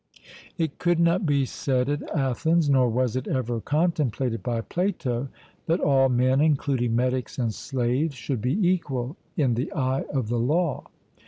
It could not be said at Athens, nor was it ever contemplated by Plato, that all men, including metics and slaves, should be equal 'in the eye of the law.'